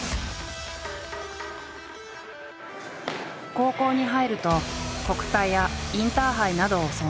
高校に入ると国体やインターハイなどを総なめ。